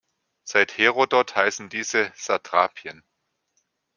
Seit Herodot heißen diese "Satrapien.